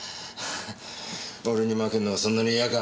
俺に負けるのがそんなに嫌か？